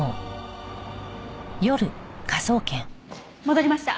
戻りました。